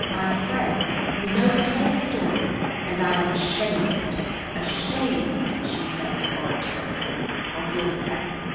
"My friend, we know the whole story, and I am ashamed, ashamed," she said oratorically, "of your sex!